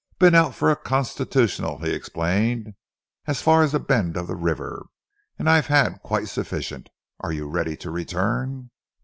"Been out for a constitutional," he explained, "as far as the bend of the river, and I've had quite sufficient. Are you ready to return?"